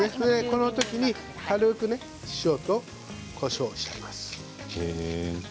この時に軽く塩とこしょうをしちゃいます。